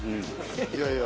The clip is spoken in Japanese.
いやいや。